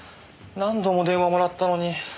何度も電話もらったのに。